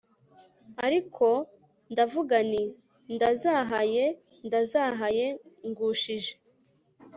Ariko ndavuga nti ndazahaye k ndazahaye Ngushije